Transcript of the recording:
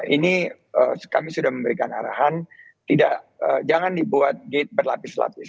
ini kami sudah memberikan arahan tidak jangan dibuat gate berlapis lapis